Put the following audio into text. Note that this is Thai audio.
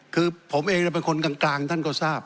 คือผมเองเป็นคนกลางท่านก็ทราบ